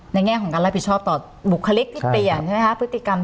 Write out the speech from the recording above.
แง่ของการรับผิดชอบต่อบุคลิกที่เปลี่ยนใช่ไหมคะพฤติกรรม